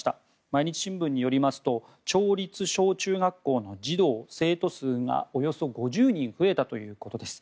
毎日新聞によりますと町立小中学校の児童生徒数がおよそ５０人増えたということです。